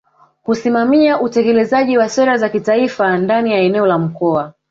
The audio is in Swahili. kusimamia utekelezaji wa sera za kitaifa ndani ya eneo la Mkoa